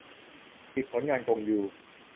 สิบ ผลงานกงยู